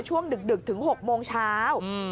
ช่วงดึกถึง๖โมงเช้า